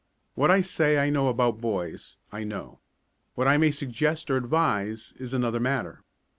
What I say I know about boys, I know. What I may suggest or advise is another matter.